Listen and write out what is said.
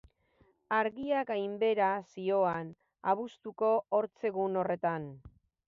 Argia gainbehera zihoan abuztuko ortzegun horretan.